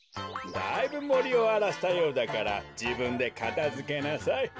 だいぶもりをあらしたようだからじぶんでかたづけなさい。